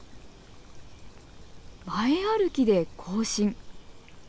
前歩きで行進。